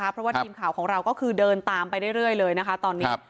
เพราะว่าทีมข่าวของเราก็คือเดินตามไปเรื่อยเลยนะคะตอนนี้